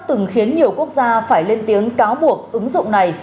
từng khiến nhiều quốc gia phải lên tiếng cáo buộc ứng dụng này